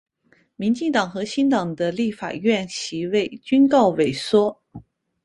民进党和新党的立法院席次均告萎缩。